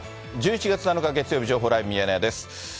１１月７日月曜日、情報ライブミヤネ屋です。